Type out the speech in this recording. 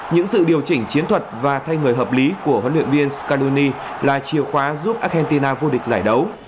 những sự điều chỉnh chiến thuật và thay người hợp lý của huấn luyện viên scanuni là chìa khóa giúp argentina vô địch giải đấu